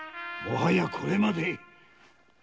もはやこれまで。